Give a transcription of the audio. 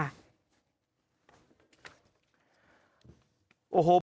โอ้โห